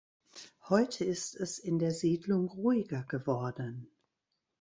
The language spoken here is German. Heute ist es in der Siedlung ruhiger geworden.